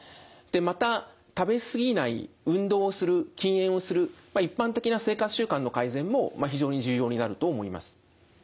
また食べ過ぎない運動する禁煙をする一般的な生活習慣の改善も非常に重要になると思います。